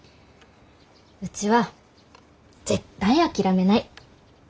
うちは絶対諦めない。